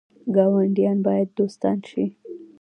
ګاونډیان باید دوستان شي